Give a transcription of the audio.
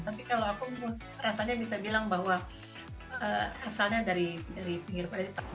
tapi kalau aku mau rasanya bisa bilang bahwa asalnya dari pinggir padang